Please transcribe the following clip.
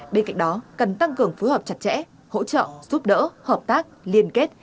bên cạnh đó cần tăng cường phối hợp chặt chẽ hỗ trợ giúp đỡ hợp tác liên kết